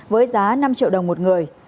với giá năm triệu đồng một người